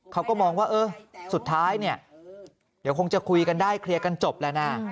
เขาก็มองว่าเออสุดท้ายเนี่ยเดี๋ยวคงจะคุยกันได้เคลียร์กันจบแล้วนะ